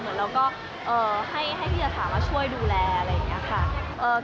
เหมือนเราก็ให้พี่จะถามว่าช่วยดูแลอะไรอย่างนี้ค่ะ